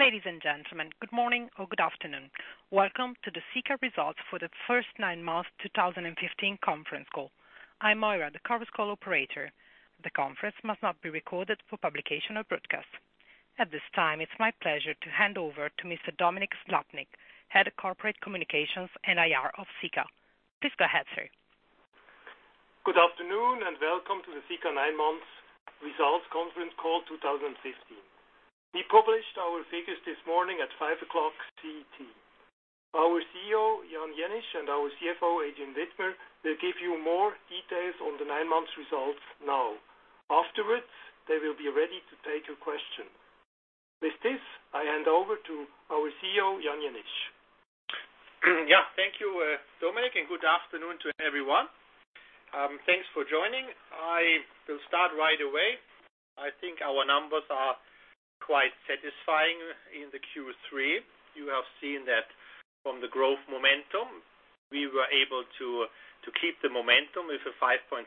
Ladies and gentlemen, good morning or good afternoon. Welcome to the Sika Results for the First Nine Months 2015 conference call. I'm Moira, the conference call operator. The conference must not be recorded for publication or broadcast. At this time, it's my pleasure to hand over to Mr. Dominik Slappnig, Head of Corporate Communications and IR of Sika. Please go ahead, sir. Good afternoon and welcome to the Sika Nine Months Results Conference Call 2015. We published our figures this morning at 5:00 CET. Our CEO, Jan Jenisch, and our CFO, Adrian Widmer, will give you more details on the nine months results now. They will be ready to take your question. I hand over to our CEO, Jan Jenisch. Thank you, Dominik, good afternoon to everyone. Thanks for joining. I will start right away. I think our numbers are quite satisfying in the Q3. You have seen that from the growth momentum, we were able to keep the momentum with a 5.3%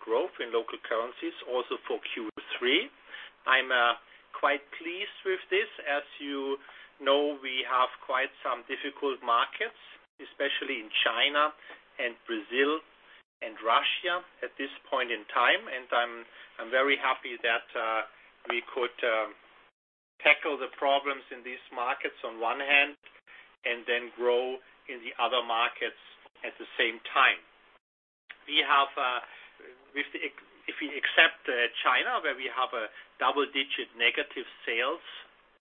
growth in local currencies also for Q3. I'm quite pleased with this. As you know, we have quite some difficult markets, especially in China and Brazil and Russia at this point in time. I'm very happy that we could tackle the problems in these markets on one hand, and then grow in the other markets at the same time. If we accept China, where we have a double-digit negative sales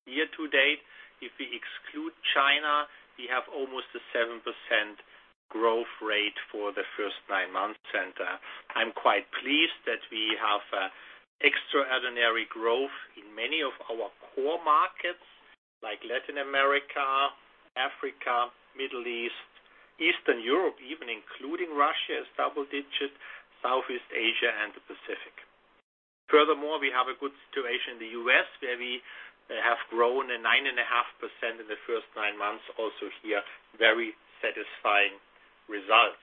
year to date, if we exclude China, we have almost a 7% growth rate for the first nine months. I'm quite pleased that we have extraordinary growth in many of our core markets like Latin America, Africa, Middle East, Eastern Europe, even including Russia as double digit, Southeast Asia, and the Pacific. Furthermore, we have a good situation in the U.S. where we have grown a 9.5% in the first nine months. Also here, very satisfying results.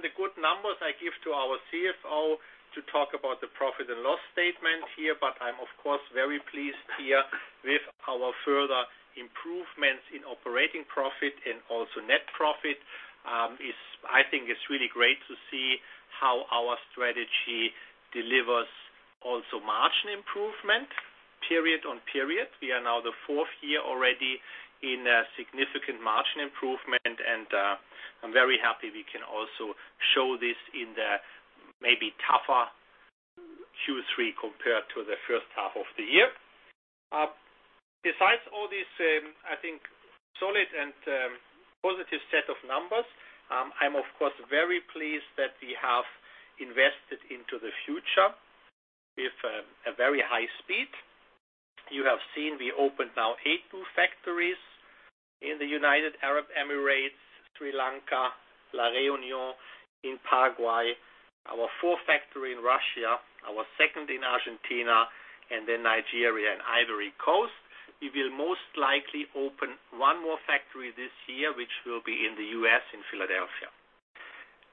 The good numbers I give to our CFO to talk about the profit and loss statement here. I'm of course, very pleased here with our further improvements in operating profit and also net profit. I think it's really great to see how our strategy delivers also margin improvement period on period. We are now the fourth year already in a significant margin improvement. I'm very happy we can also show this in the maybe tougher Q3 compared to the first half of the year. Besides all this, I think, solid and positive set of numbers, I'm of course, very pleased that we have invested into the future with a very high speed. You have seen we opened now eight new factories in the United Arab Emirates, Sri Lanka, La Réunion, in Paraguay, our fourth factory in Russia, our second in Argentina, and then Nigeria and Ivory Coast. We will most likely open one more factory this year, which will be in the U.S., in Philadelphia.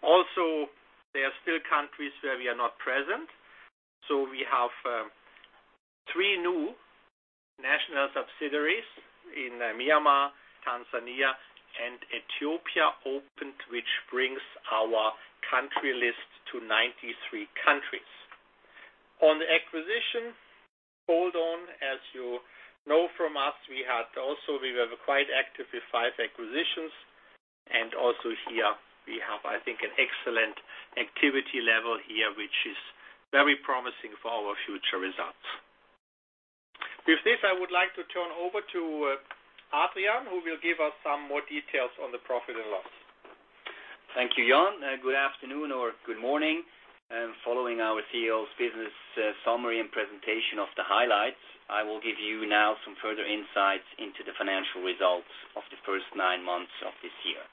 Also, there are still countries where we are not present. We have three new national subsidiaries in Myanmar, Tanzania, and Ethiopia opened, which brings our country list to 93 countries. On the acquisition hold on, as you know from us, we were quite active with five acquisitions. Also here we have, I think, an excellent activity level here, which is very promising for our future results. With this, I would like to turn over to Adrian, who will give us some more details on the profit and loss. Thank you, Jan. Good afternoon or good morning. Following our CEO's business summary and presentation of the highlights, I will give you now some further insights into the financial results of the first nine months of this year.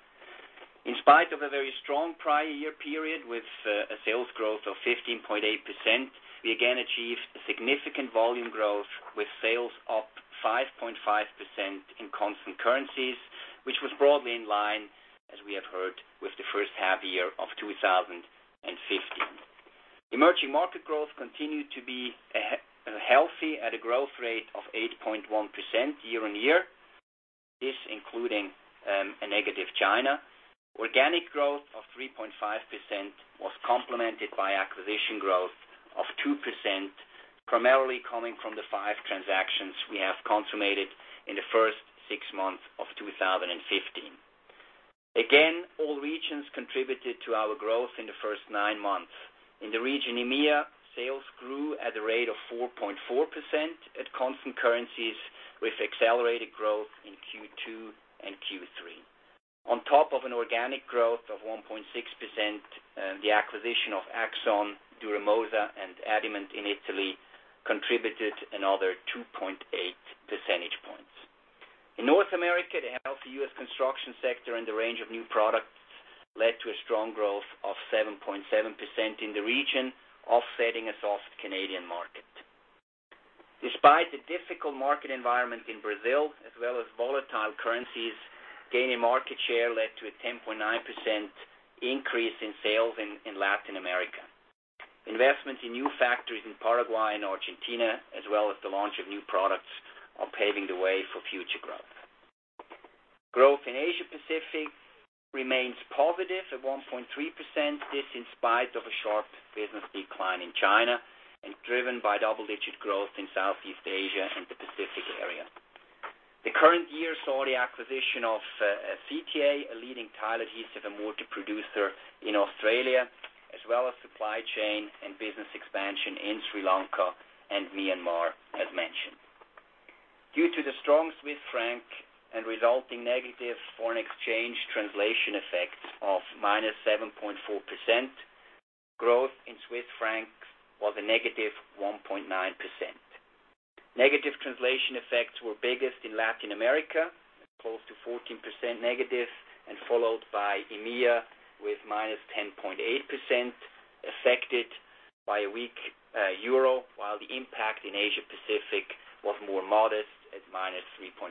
In spite of a very strong prior year period with a sales growth of 15.8%, we again achieved significant volume growth with sales up 5.5% in constant currencies, which was broadly in line, as we have heard, with the first half year of 2015. Emerging market growth continued to be healthy at a growth rate of 8.1% year-on-year. This including a negative China. Organic growth of 3.5% was complemented by acquisition growth of 2%, primarily coming from the five transactions we have consummated in the first six months of 2015. Again, all regions contributed to our growth in the first nine months. In the region EMEA, sales grew at a rate of 4.4% at constant currencies, with accelerated growth in Q2 and Q3. On top of an organic growth of 1.6%, the acquisition of Axson, Duro-Moza, and Addiment Italia in Italy contributed another 2.8 percentage points. In North America, the healthy U.S. construction sector and the range of new products led to a strong growth of 7.7% in the region, offsetting a soft Canadian market. Despite the difficult market environment in Brazil as well as volatile currencies, gaining market share led to a 10.9% increase in sales in Latin America. Investment in new factories in Paraguay and Argentina, as well as the launch of new products, are paving the way for future growth. Growth in Asia Pacific remains positive at 1.3%. This in spite of a sharp business decline in China and driven by double-digit growth in Southeast Asia and the Pacific area. The current year saw the acquisition of CTA, a leading tile adhesive and mortar producer in Australia, as well as supply chain and business expansion in Sri Lanka and Myanmar, as mentioned. Due to the strong Swiss franc and resulting negative foreign exchange translation effects of -7.4%, growth in CHF was a -1.9%. Negative translation effects were biggest in Latin America, close to -14%, and followed by EMEA with -10.8%, affected by a weak euro, while the impact in Asia Pacific was more modest at -3.5%.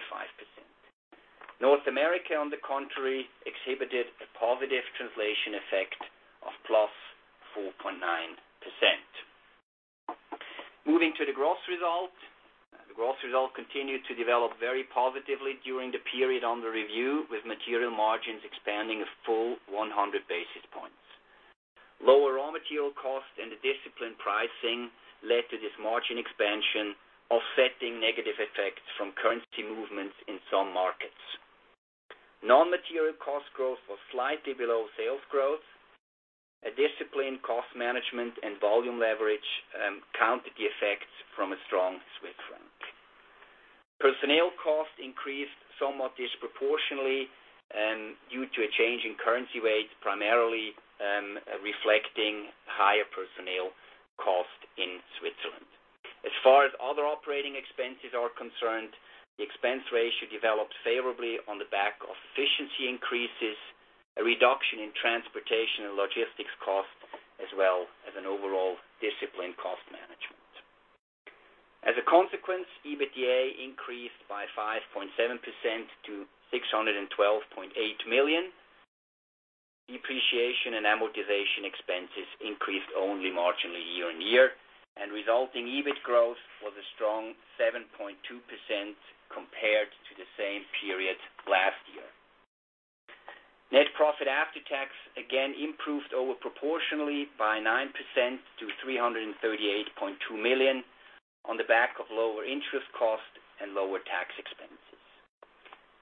North America, on the contrary, exhibited a positive translation effect of +4.9%. Moving to the gross result. The gross result continued to develop very positively during the period on the review, with material margins expanding a full 100 basis points. Lower raw material cost and disciplined pricing led to this margin expansion, offsetting negative effects from currency movements in some markets. Non-material cost growth was slightly below sales growth. A disciplined cost management and volume leverage countered the effects from a strong Swiss franc. Personnel costs increased somewhat disproportionately due to a change in currency rates, primarily reflecting higher personnel cost in Switzerland. As far as other operating expenses are concerned, the expense ratio developed favorably on the back of efficiency increases, a reduction in transportation and logistics costs, as well as an overall disciplined cost management. As a consequence, EBITDA increased by 5.7% to 612.8 million. Depreciation and amortization expenses increased only marginally year-on-year, and resulting EBIT growth was a strong 7.2% compared to the same period last year. Net profit after tax again improved over proportionally by 9% to 338.2 million on the back of lower interest costs and lower tax expenses.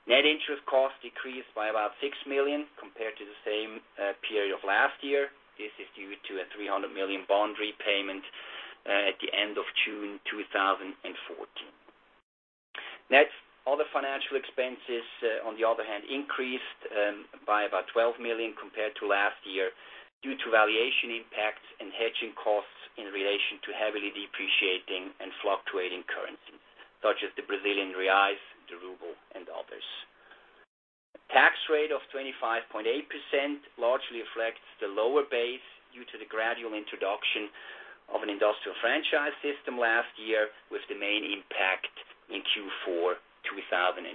Net interest costs decreased by about 6 million compared to the same period last year. This is due to a 300 million bond repayment at the end of June 2014. Other financial expenses, on the other hand, increased by about 12 million compared to last year due to valuation impacts and hedging costs in relation to heavily depreciating and fluctuating currencies such as the Brazilian reais, the ruble, and others. A tax rate of 25.8% largely reflects the lower base due to the gradual introduction of an industrial franchise system last year, with the main impact in Q4 2014.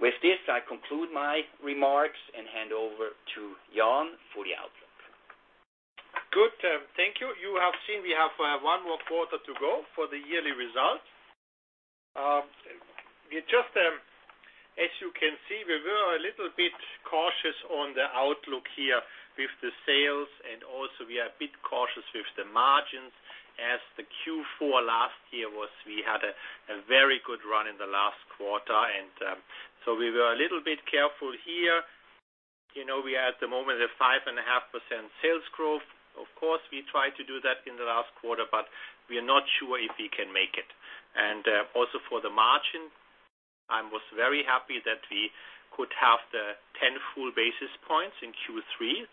With this, I conclude my remarks and hand over to Jan for the outlook. Good. Thank you. You have seen we have one more quarter to go for the yearly results. As you can see, we were a little bit cautious on the outlook here with the sales. Also we are a bit cautious with the margins as the Q4 last year, we had a very good run in the last quarter. We were a little bit careful here. We are at the moment a 5.5% sales growth. Of course, we tried to do that in the last quarter, but we are not sure if we can make it. Also for the margin, I was very happy that we could have the 10 full basis points in Q3,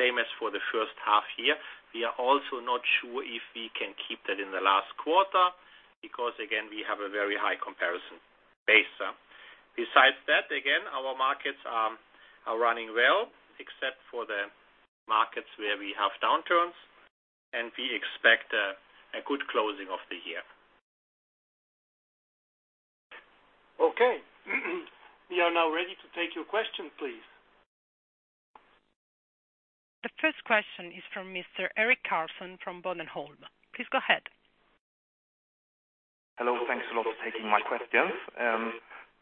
same as for the first half year. We are also not sure if we can keep that in the last quarter because, again, we have a very high comparison base. Besides that, again, our markets are running well except for the markets where we have downturns, and we expect a good closing of the year. Okay. We are now ready to take your question, please. The first question is from Mr. Erik Karsten from Berenberg. Please go ahead. Hello. Thanks a lot for taking my questions.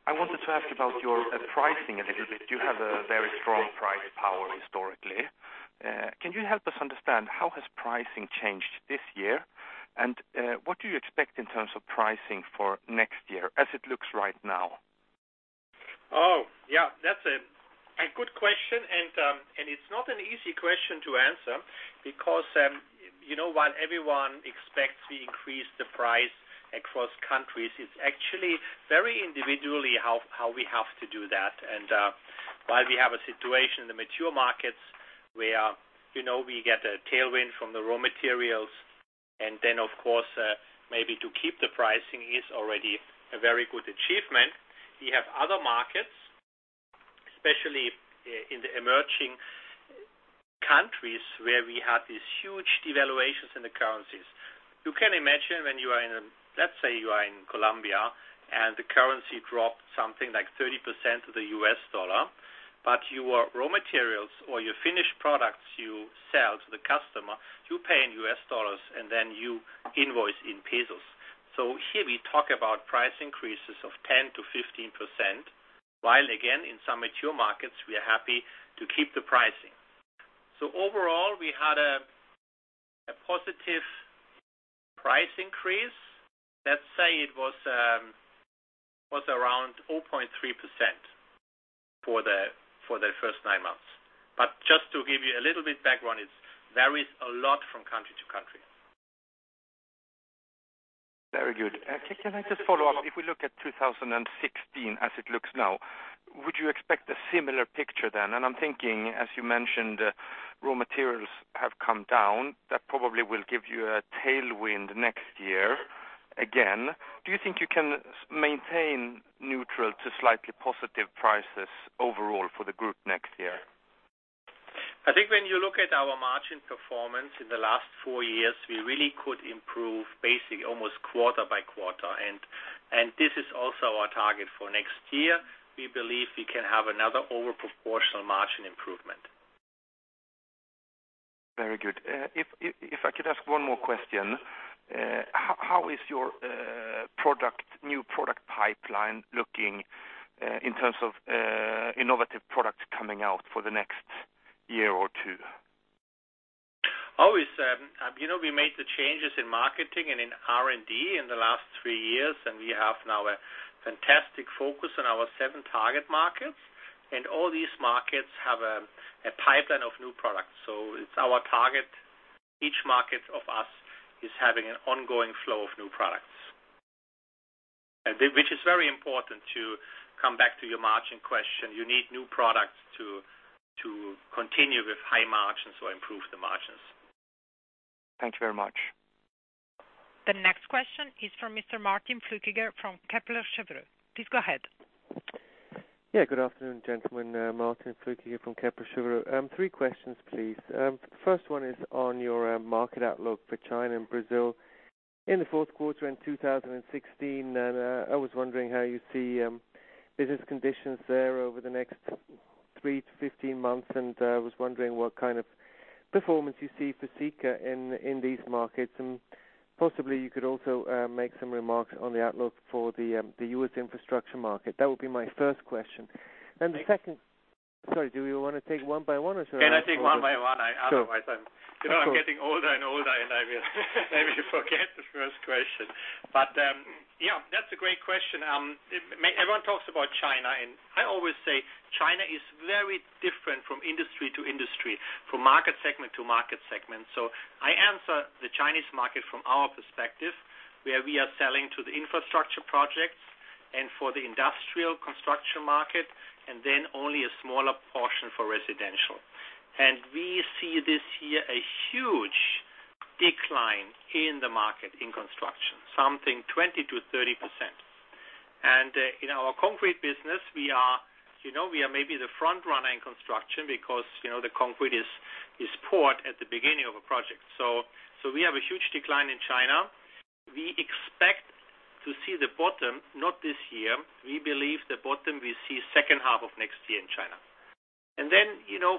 I wanted to ask about your pricing a little bit. You have a very strong price power historically. Can you help us understand how has pricing changed this year, and what do you expect in terms of pricing for next year as it looks right now? Oh, yeah. That's a good question, and it's not an easy question to answer because while everyone expects we increase the price across countries, it's actually very individually how we have to do that. While we have a situation in the mature markets where we get a tailwind from the raw materials, and then, of course, maybe to keep the pricing is already a very good achievement. We have other markets, especially in the emerging countries where we had these huge devaluations in the currencies. You can imagine when you are in, let's say you are in Colombia and the currency dropped something like 30% to the US dollar, but your raw materials or your finished products you sell to the customer, you pay in US dollars, and then you invoice in pesos. Here we talk about price increases of 10%-15%, while again, in some mature markets, we are happy to keep the pricing. Overall, we had a positive price increase. Let's say it was around 0.3% for the first nine months. Just to give you a little bit background, it varies a lot from country to country. Very good. Can I just follow up? If we look at 2016 as it looks now, would you expect a similar picture then? I'm thinking, as you mentioned, raw materials have come down. That probably will give you a tailwind next year again. Do you think you can maintain neutral to slightly positive prices overall for the group next year? I think when you look at our margin performance in the last four years, we really could improve basically almost quarter by quarter, this is also our target for next year. We believe we can have another overproportional margin improvement. Very good. If I could ask one more question, how is your new product pipeline looking in terms of innovative products coming out for the next year or two? Always. We made the changes in marketing and in R&D in the last three years, and we have now a fantastic focus on our seven target markets. All these markets have a pipeline of new products. It is our target. Each market of us is having an ongoing flow of new products. Which is very important to come back to your margin question. You need new products to continue with high margins or improve the margins. Thank you very much. The next question is from Mr. Martin Flueckiger from Kepler Cheuvreux. Please go ahead. Good afternoon, gentlemen. Martin Flueckiger from Kepler Cheuvreux. Three questions, please. First one is on your market outlook for China and Brazil. In the fourth quarter in 2016, I was wondering how you see business conditions there over the next 3-15 months, and I was wondering what kind of performance you see for Sika in these markets, and possibly you could also make some remarks on the outlook for the U.S. infrastructure market. That would be my first question. Sorry, do you want to take one by one or so? Yeah, I take one by one. Sure. Otherwise, I'm getting older and older, and I will maybe forget the first question. Yeah, that's a great question. Everyone talks about China. I always say China is very different from industry to industry, from market segment to market segment. I answer the Chinese market from our perspective, where we are selling to the infrastructure projects and for the industrial construction market, and then only a smaller portion for residential. We see this year a huge decline in the market in construction, something 20%-30%. In our concrete business, we are maybe the front runner in construction because the concrete is poured at the beginning of a project. We have a huge decline in China. We expect to see the bottom, not this year. We believe the bottom we see second half of next year in China.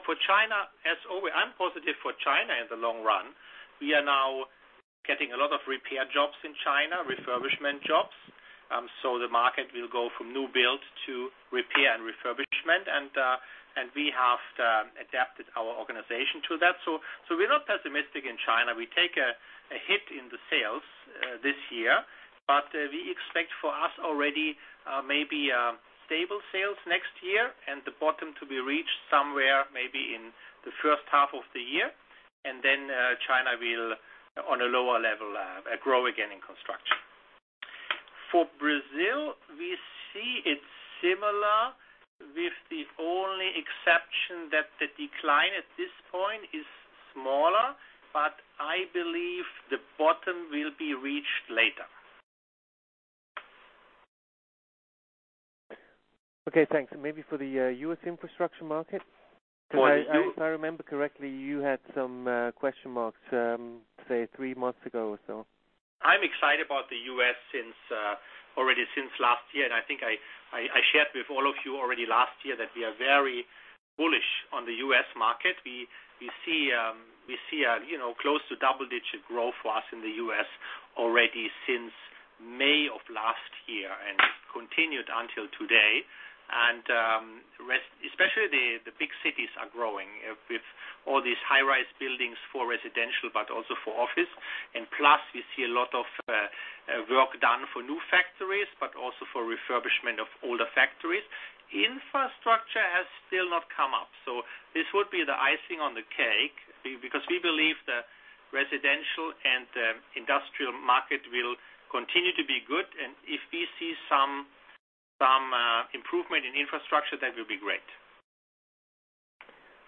For China, as always, I'm positive for China in the long run. We are now getting a lot of repair jobs in China, refurbishment jobs. The market will go from new build to repair and refurbishment, and we have adapted our organization to that. We're not pessimistic in China. We take a hit in the sales this year. We expect for us already maybe stable sales next year and the bottom to be reached somewhere maybe in the first half of the year. China will, on a lower level, grow again in construction. For Brazil, we see it similar with the only exception that the decline at this point is smaller. I believe the bottom will be reached later. Okay, thanks. Maybe for the U.S. infrastructure market, if I remember correctly, you had some question marks, say, three months ago or so. I'm excited about the U.S. already since last year. I think I shared with all of you already last year that we are very bullish on the U.S. market. We see close to double-digit growth for us in the U.S. already since May of last year, and it continued until today. Especially the big cities are growing with all these high-rise buildings for residential but also for office. Plus, we see a lot of work done for new factories, but also for refurbishment of older factories. Infrastructure has still not come up. This would be the icing on the cake because we believe the residential and industrial market will continue to be good. If we see some improvement in infrastructure, that will be great.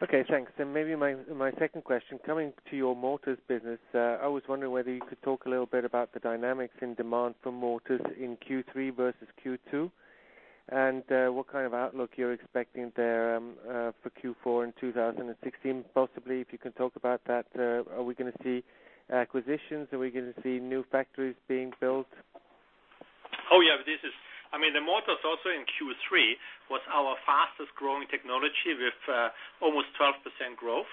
Okay, thanks. Maybe my second question, coming to your mortars business, I was wondering whether you could talk a little bit about the dynamics in demand for mortars in Q3 versus Q2. What kind of outlook you're expecting there for Q4 in 2016? Possibly, if you can talk about that, are we going to see acquisitions? Are we going to see new factories being built? Oh, yeah. The mortars also in Q3 was our fastest-growing technology with almost 12% growth.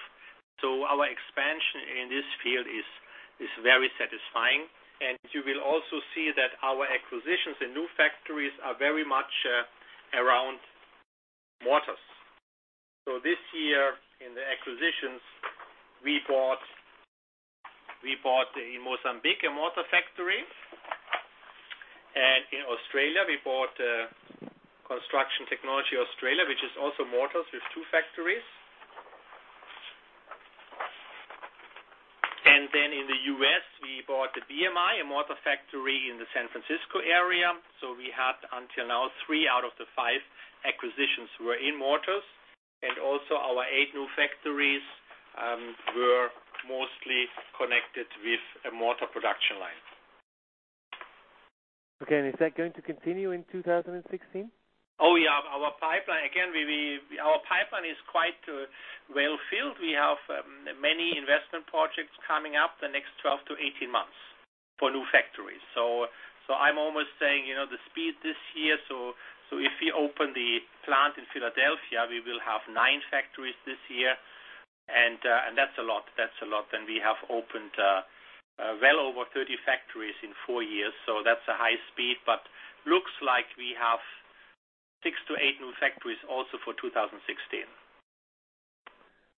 Our expansion in this field is very satisfying. You will also see that our acquisitions in new factories are very much around mortars. This year in the acquisitions, we bought in Mozambique a mortar factory. In Australia, we bought Construction Technologies Australia, which is also mortars with two factories. Then in the U.S., we bought BMI, a mortar factory in the San Francisco area. We had until now three out of the five acquisitions were in mortars. Also our eight new factories were mostly connected with a mortar production line. Okay, is that going to continue in 2016? Oh, yeah. Again, our pipeline is quite well-filled. We have many investment projects coming up the next 12 to 18 months for new factories. I'm almost saying, the speed this year, if we open the plant in Philadelphia, we will have nine factories this year, and that's a lot. We have opened well over 30 factories in four years, that's a high speed, but looks like we have six to eight new factories also for 2016.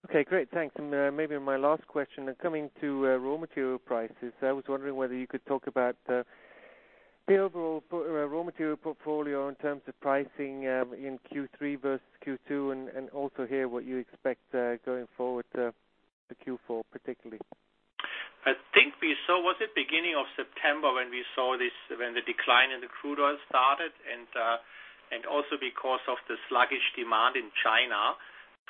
Okay, great. Thanks. Maybe my last question, coming to raw material prices, I was wondering whether you could talk about the overall raw material portfolio in terms of pricing in Q3 versus Q2, and also hear what you expect going forward to Q4, particularly. I think was it beginning of September when we saw this, when the decline in the crude oil started, also because of the sluggish demand in China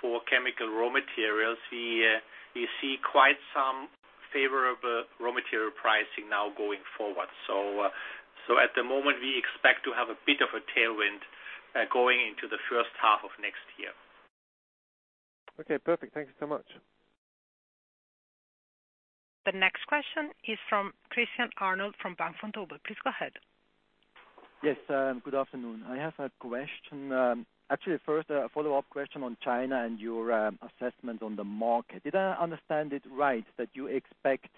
for chemical raw materials, we see quite some favorable raw material pricing now going forward. At the moment, we expect to have a bit of a tailwind going into the first half of next year. Okay, perfect. Thank you so much. The next question is from Christian Arnold from Bank Vontobel. Please go ahead. Yes, good afternoon. I have a question. Actually, first, a follow-up question on China and your assessment on the market. Did I understand it right, that you expect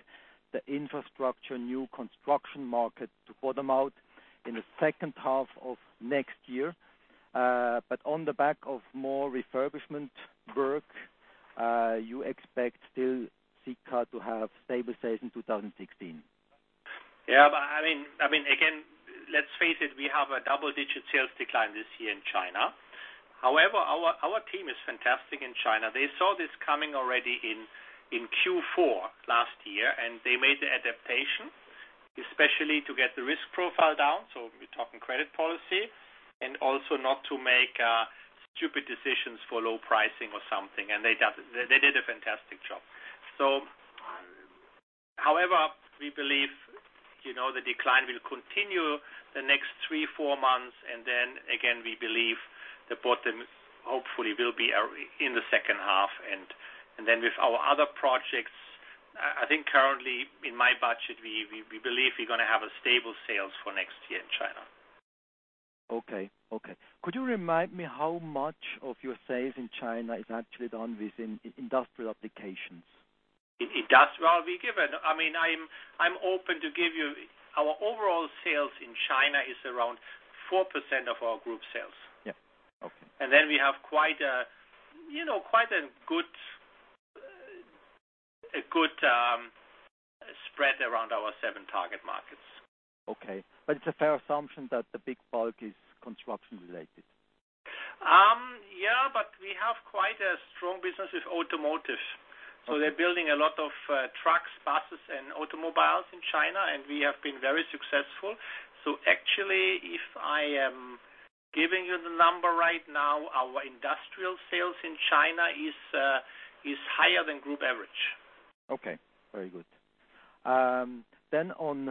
the infrastructure new construction market to bottom out in the second half of next year, but on the back of more refurbishment work you expect still Sika to have stable sales in 2016? Again, let's face it, we have a double-digit sales decline this year in China. However, our team is fantastic in China. They saw this coming already in Q4 last year, and they made the adaptation, especially to get the risk profile down, so we're talking credit policy, and also not to make stupid decisions for low pricing or something. They did a fantastic job. However, we believe the decline will continue the next three, four months. Again, we believe the bottom hopefully will be in the second half. With our other projects, I think currently in my budget, we believe we're going to have a stable sales for next year in China. Okay. Could you remind me how much of your sales in China is actually done within industrial applications? In industrial, I'm open to give you. Our overall sales in China is around 4% of our group sales. Yeah. Okay. We have quite a good spread around our seven target markets. Okay. It's a fair assumption that the big bulk is construction-related. Yeah, we have quite a strong business with automotive. Okay. They're building a lot of trucks, buses, and automobiles in China, and we have been very successful. Actually, if I am giving you the number right now, our industrial sales in China is higher than group average. Okay. Very good. On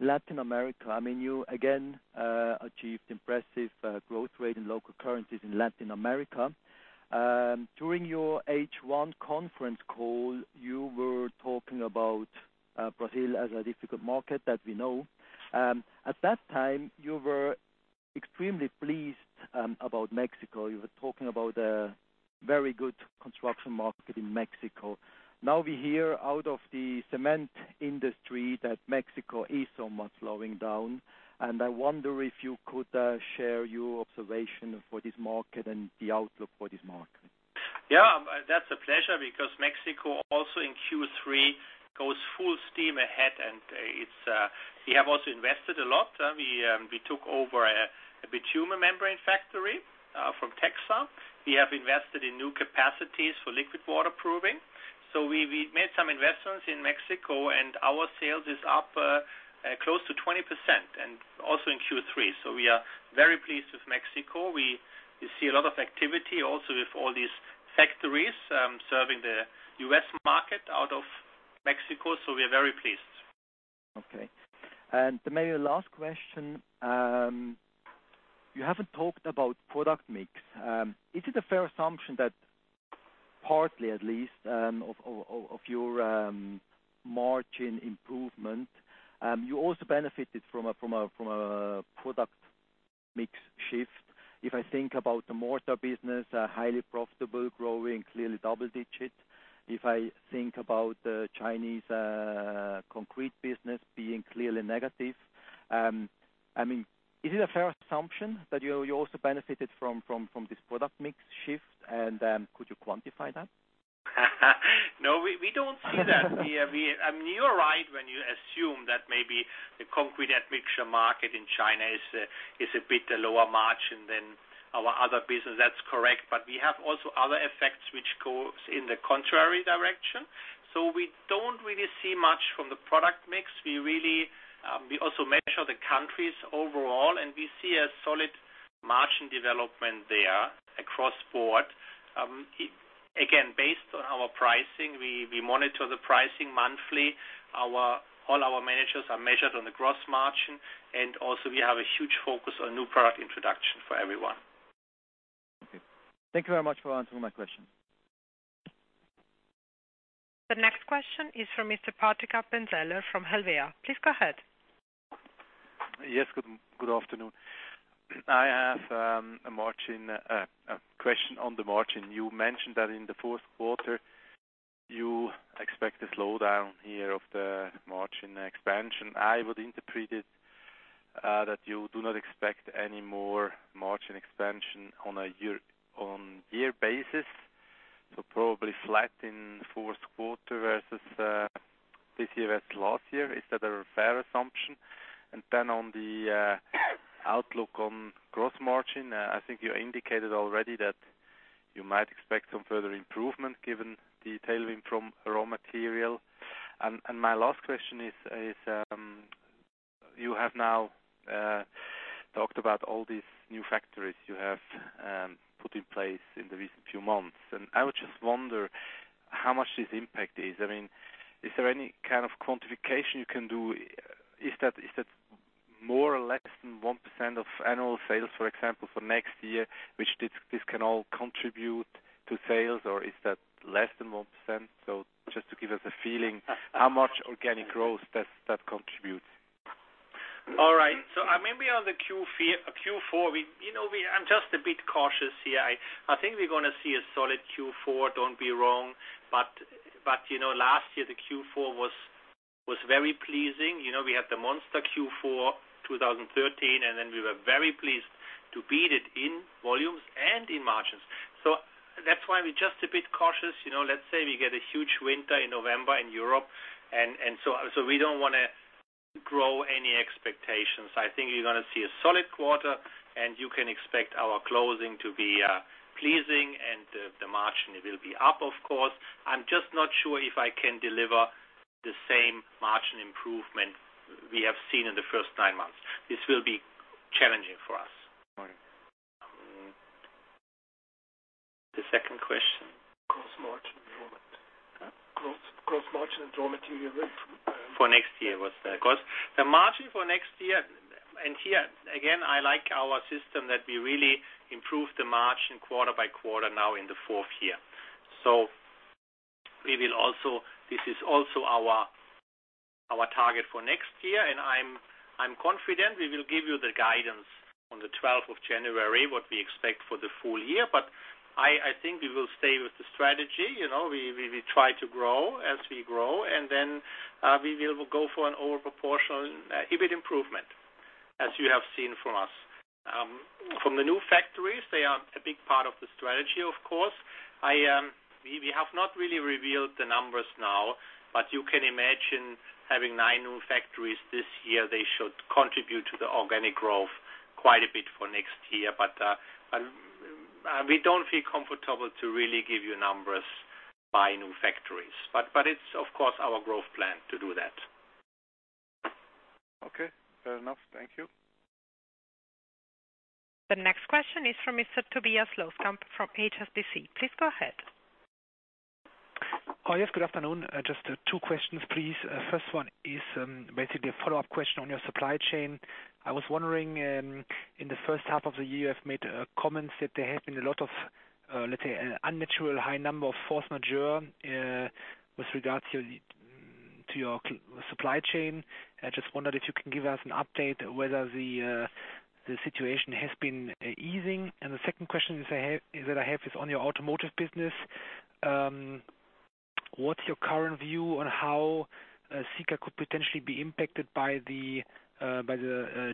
Latin America, you again achieved impressive growth rate in local currencies in Latin America. During your H1 conference call, you were talking about Brazil as a difficult market that we know. At that time, you were extremely pleased about Mexico. You were talking about a very good construction market in Mexico. Now we hear out of the cement industry that Mexico is somewhat slowing down, and I wonder if you could share your observation for this market and the outlook for this market. Yeah, that's a pleasure because Mexico also in Q3 goes full steam ahead, and we have also invested a lot. We took over a bitumen membrane factory from Texsa. We have invested in new capacities for liquid waterproofing. We made some investments in Mexico, and our sales is up close to 20% and also in Q3. We are very pleased with Mexico. We see a lot of activity also with all these factories serving the U.S. market out of Mexico, we are very pleased. Okay. Maybe a last question. You have not talked about product mix. Is it a fair assumption that partly at least, of your margin improvement, you also benefited from a product mix shift? If I think about the mortar business, highly profitable, growing, clearly double-digit. If I think about the Chinese concrete business being clearly negative. Is it a fair assumption that you also benefited from this product mix shift, and could you quantify that? No, we don't see that. You are right when you assume that maybe the concrete admixture market in China is a bit lower margin than our other business. That's correct. We have also other effects which goes in the contrary direction. We don't really see much from the product mix. We also measure the countries overall, and we see a solid margin development there across board. Again, based on our pricing, we monitor the pricing monthly. All our managers are measured on the gross margin, and also we have a huge focus on new product introduction for everyone. Okay. Thank you very much for answering my question. The next question is from Mr. Patrick Appenzeller from Helvea. Please go ahead. Yes. Good afternoon. I have a question on the margin. You mentioned that in the fourth quarter, you expect a slowdown here of the margin expansion. I would interpret it that you do not expect any more margin expansion on year basis, so probably flat in fourth quarter versus this year as last year. Is that a fair assumption? On the outlook on gross margin, I think you indicated already that you might expect some further improvement given the tailwind from raw material. My last question is, you have now talked about all these new factories you have put in place in the recent few months, and I would just wonder how much this impact is. Is there any kind of quantification you can do? Is that more or less than 1% of annual sales, for example, for next year, which this can all contribute to sales? Is that less than 1%? Just to give us a feeling how much organic growth that contributes. All right. Maybe on the Q4, I'm just a bit cautious here. I think we're going to see a solid Q4, don't be wrong. Last year, the Q4 was very pleasing. We had the monster Q4 2013, and then we were very pleased to beat it in volumes and in margins. That's why we're just a bit cautious. Let's say we get a huge winter in November in Europe, we don't want to grow any expectations. I think you're going to see a solid quarter, and you can expect our closing to be pleasing and the margin will be up, of course. I'm just not sure if I can deliver the same margin improvement we have seen in the first nine months. This will be challenging for us. All right. The second question? Gross margin improvement. Huh? Gross margin and raw material. For next year, was that? Of course. The margin for next year. Here, again, I like our system that we really improve the margin quarter by quarter now in the fourth year. This is also our target for next year, and I'm confident we will give you the guidance on the 12th of January what we expect for the full year. I think we will stay with the strategy. We will try to grow as we grow, and then we will go for an overproportional EBIT improvement, as you have seen from us. From the new factories, they are a big part of the strategy, of course. We have not really revealed the numbers now, but you can imagine having nine new factories this year, they should contribute to the organic growth quite a bit for next year. We don't feel comfortable to really give you numbers by new factories. It's, of course, our growth plan to do that. Okay. Fair enough. Thank you. The next question is from Mr. Tobias Loskamp from HSBC. Please go ahead. Oh, yes. Good afternoon. Just two questions, please. First one is basically a follow-up question on your supply chain. I was wondering, in the first half of the year, you have made comments that there have been a lot of, let's say, unnatural high number of force majeure with regards to your supply chain. I just wondered if you can give us an update whether the situation has been easing. The second question that I have is on your automotive business. What's your current view on how Sika could potentially be impacted by the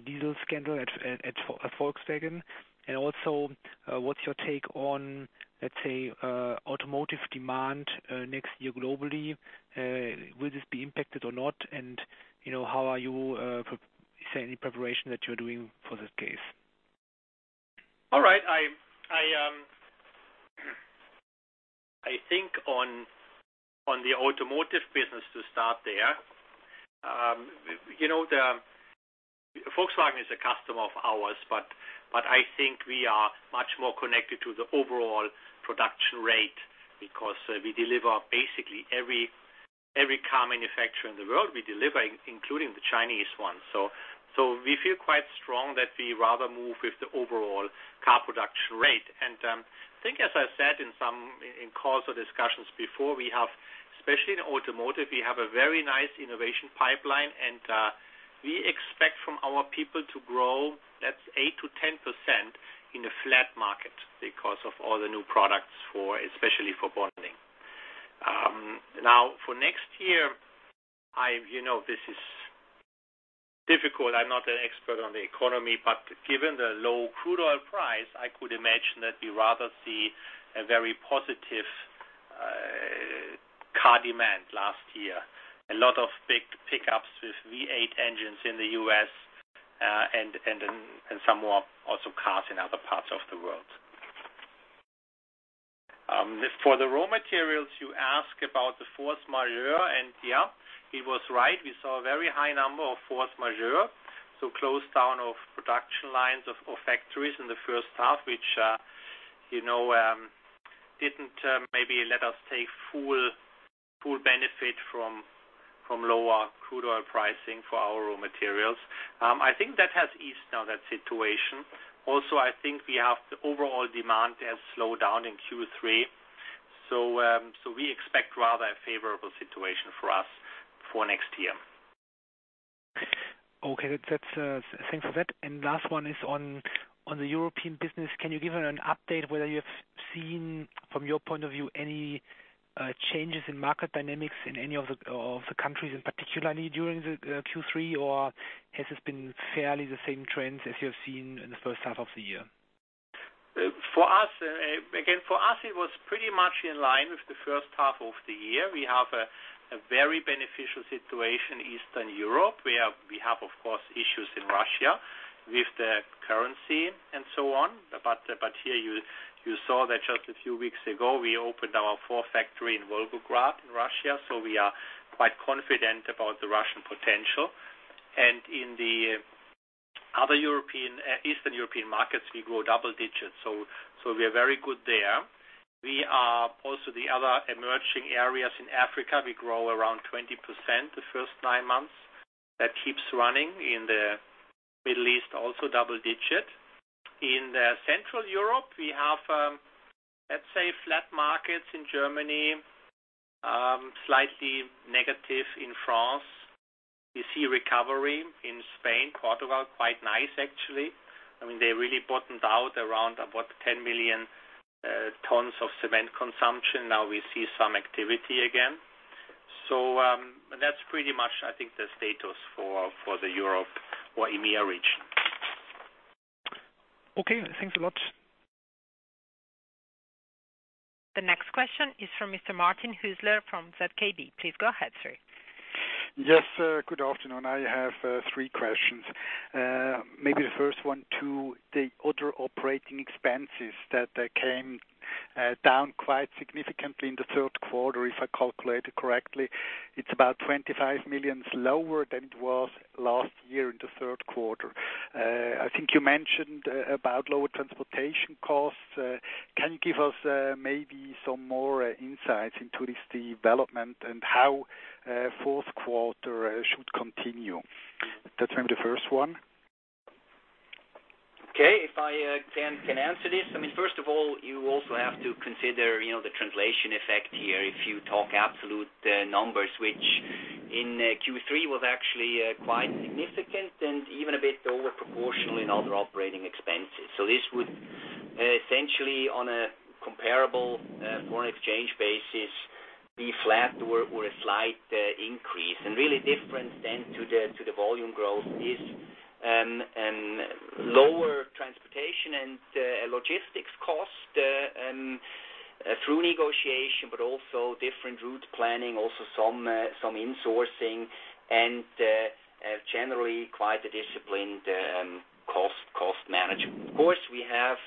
diesel scandal at Volkswagen? Also, what's your take on, let's say, automotive demand next year globally? Will this be impacted or not? Is there any preparation that you're doing for that case? On the automotive business to start there. Volkswagen is a customer of ours. I think we are much more connected to the overall production rate because we deliver basically every car manufacturer in the world, we deliver including the Chinese ones. We feel quite strong that we rather move with the overall car production rate. I think as I said in calls or discussions before, especially in automotive, we have a very nice innovation pipeline, and we expect from our people to grow at 8% to 10% in a flat market because of all the new products, especially for bonding. Now, for next year, this is difficult. I'm not an expert on the economy, given the low crude oil price, I could imagine that we rather see a very positive car demand last year. A lot of big pickups with V8 engines in the U.S. and some more also cars in other parts of the world. For the raw materials, you ask about the force majeure. Yeah, he was right. We saw a very high number of force majeure, so close down of production lines of factories in the first half, which didn't maybe let us take full benefit from lower crude oil pricing for our raw materials. I think that has eased now, that situation. Also, I think we have the overall demand has slowed down in Q3. We expect rather a favorable situation for us for next year. Okay. Thanks for that. Last one is on the European business. Can you give an update whether you have seen, from your point of view, any changes in market dynamics in any of the countries, and particularly during the Q3, or has this been fairly the same trends as you have seen in the first half of the year? Again, for us, it was pretty much in line with the first half of the year. We have a very beneficial situation in Eastern Europe. We have, of course, issues in Russia with the currency and so on. Here you saw that just a few weeks ago, we opened our fourth factory in Volgograd in Russia. We are quite confident about the Russian potential. In the other Eastern European markets, we grow double digits. We are very good there. Also the other emerging areas in Africa, we grow around 20% the first nine months. That keeps running. In the Middle East, also double digit. In Central Europe, we have, let's say, flat markets in Germany, slightly negative in France. We see recovery in Spain, Portugal, quite nice, actually. They really bottomed out around about 10 million tons of cement consumption. Now we see some activity again. That's pretty much, I think, the status for the Europe or EMEA region. Okay, thanks a lot. The next question is from Mr. Martin Hüsler from ZKB. Please go ahead, sir. Yes, good afternoon. I have three questions. Maybe the first one to the other operating expenses that came down quite significantly in the third quarter. If I calculate it correctly, it's about 25 million lower than it was last year in the third quarter. I think you mentioned about lower transportation costs. Can you give us maybe some more insights into this development and how fourth quarter should continue? That's maybe the first one. Okay. If I can answer this. First of all, you also have to consider the translation effect here. If you talk absolute numbers, which in Q3 was actually quite significant and even a bit over proportional in other operating expenses. This would essentially, on a comparable foreign exchange basis, be flat or a slight increase. Really different than to the volume growth is lower transportation and logistics cost through negotiation, but also different route planning, also some insourcing, and generally quite a disciplined cost management. Of course, we have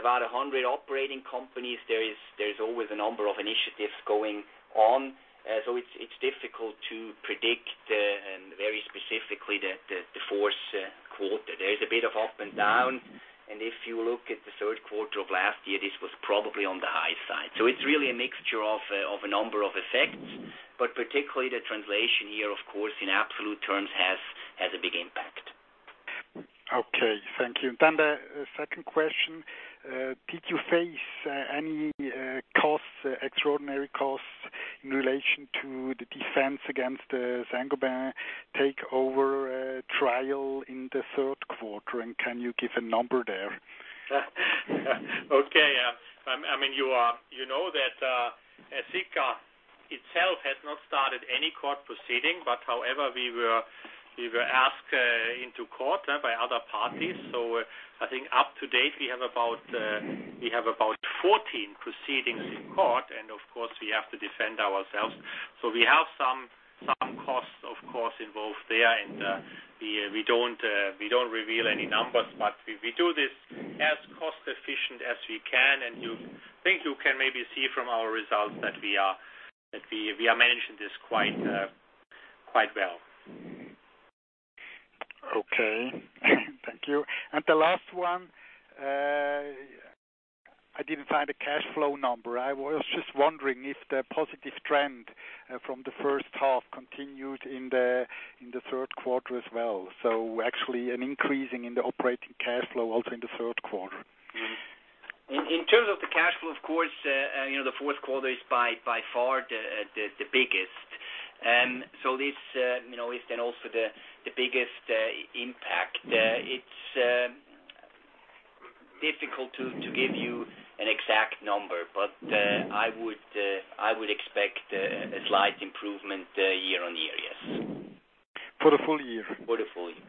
about 100 operating companies. There is always a number of initiatives going on. It's difficult to predict very specifically the fourth quarter. There is a bit of up and down, and if you look at the third quarter of last year, this was probably on the high side. It's really a mixture of a number of effects, but particularly the translation here, of course, in absolute terms, has a big impact. Okay. Thank you. The second question, did you face any extraordinary costs in relation to the defense against the Saint-Gobain takeover trial in the third quarter, and can you give a number there? Okay. You know that Sika itself has not started any court proceeding, but however, we were asked into court by other parties. I think up to date, we have about 14 proceedings in court, and of course, we have to defend ourselves. We have some, of course, involved there, and we don't reveal any numbers, but we do this as cost efficient as we can. I think you can maybe see from our results that we are managing this quite well. The last one, I didn't find a cash flow number. I was just wondering if the positive trend from the first half continued in the third quarter as well. Actually an increasing in the operating cash flow also in the third quarter. In terms of the cash flow, of course, the fourth quarter is by far the biggest. This is then also the biggest impact. It's difficult to give you an exact number, but I would expect a slight improvement year on year. Yes. For the full year? For the full year.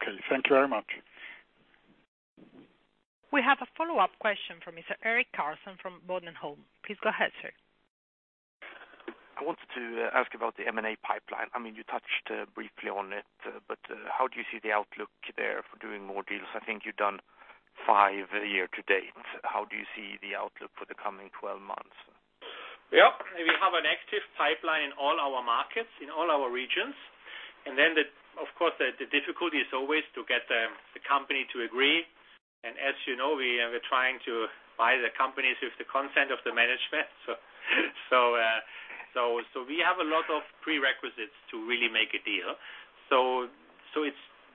Okay. Thank you very much. We have a follow-up question from Mr. Eric Karlsson from Bodenholm. Please go ahead, sir. I wanted to ask about the M&A pipeline. You touched briefly on it, but how do you see the outlook there for doing more deals? I think you've done five year to date. How do you see the outlook for the coming 12 months? Yeah. We have an active pipeline in all our markets, in all our regions. Then of course, the difficulty is always to get the company to agree. As you know, we are trying to buy the companies with the consent of the management. We have a lot of prerequisites to really make a deal.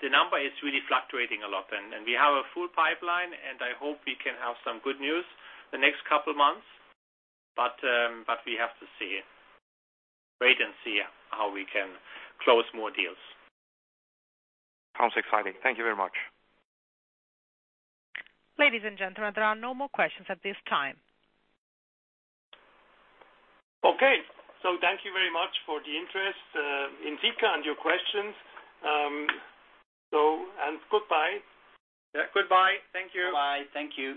The number is really fluctuating a lot. We have a full pipeline, and I hope we can have some good news the next couple of months, we have to see. Wait and see how we can close more deals. Sounds exciting. Thank you very much. Ladies and gentlemen, there are no more questions at this time. Okay. Thank you very much for the interest in Sika and your questions. Goodbye. Yeah. Goodbye. Thank you. Bye-bye. Thank you.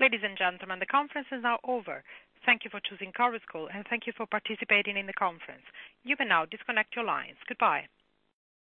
Ladies and gentlemen, the conference is now over. Thank you for choosing Chorus Call, and thank you for participating in the conference. You can now disconnect your lines. Goodbye.